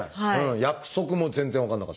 「約束」も全然分かんなかった。